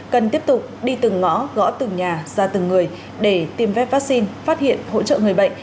cần tiếp tục đi từng ngõ gõ từng nhà ra từng người để tiêm phép vaccine phát hiện hỗ trợ người bệnh